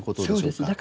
そうです。